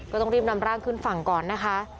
ก็ต้องรีบนำร่างขึ้นฝั่งก่อนนะคะ